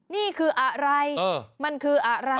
นี่คืออะไรมันคืออะไร